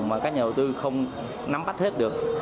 mà các nhà đầu tư không nắm bắt hết được